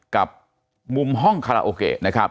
กับมุมห้องคาราโอเกะนะครับ